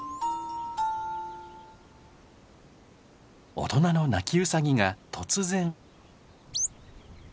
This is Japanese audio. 大人のナキウサギが突然。